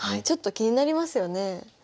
ちょっと気になりますよね。